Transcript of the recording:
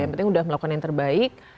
yang penting udah melakukan yang terbaik